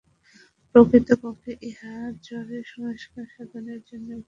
প্রকৃতপক্ষে ইহা জড়ের সংস্কার সাধনের জন্য একটি প্রক্রিয়া।